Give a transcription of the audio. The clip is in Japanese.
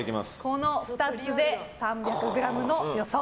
この２つで３００ｇの予想。